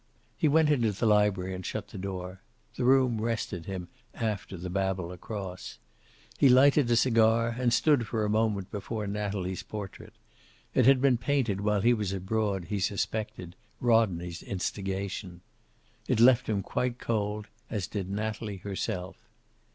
He went into the library and shut the door. The room rested him, after the babble across. He lighted a cigar, and stood for a moment before Natalie's portrait. It had been painted while he was abroad at, he suspected, Rodney's instigation. It left him quite cold, as did Natalie herself.